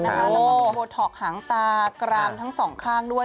แล้วก็มีโบท็อกหางตากรามทั้งสองข้างด้วย